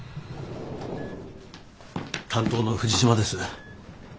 担当の藤島です。